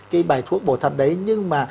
cái bài thuốc bổ thận đấy nhưng mà